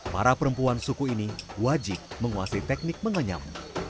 para perempuan suku ini wajib menguasai teknik menganyam